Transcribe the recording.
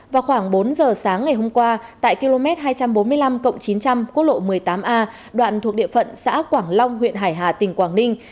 vào khoảng bốn giờ sáng ngày hôm qua tại km hai trăm bốn mươi năm chín trăm linh quốc lộ một mươi tám a đoạn thuộc địa phận xã quảng long huyện hải hà tỉnh quảng ninh